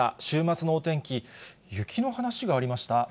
週末のお天気、雪の話がありました。